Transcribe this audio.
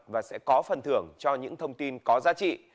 và sẽ có phần thưởng cho những thông tin có giá trị